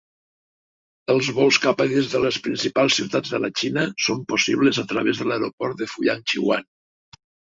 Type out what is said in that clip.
Els vols cap a i des de les principals ciutats de la Xina són possibles a través de l'aeroport de Fuyang Xiguan.